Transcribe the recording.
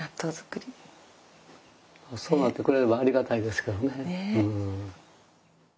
そうなってくれればありがたいですけどね。